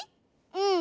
うん。